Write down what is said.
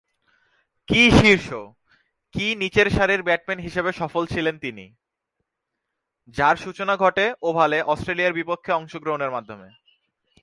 কি শীর্ষ, কি নিচেরসারির ব্যাটসম্যান হিসেবে সফল ছিলেন তিনি, যার সূচনা ঘটে ওভালে অস্ট্রেলিয়ার বিপক্ষে অংশগ্রহণের মাধ্যমে।